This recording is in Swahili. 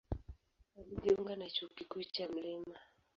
Alijiunga na Chuo Kikuu cha Mt.